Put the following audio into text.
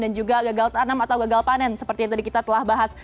dan juga gagal tanam atau gagal panen seperti yang tadi kita telah bahas